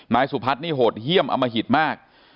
นายสุพัฒน์นี่โหดเยี่ยมอมหิตมาก